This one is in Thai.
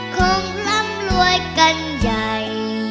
คงร่ำรวยกันใหญ่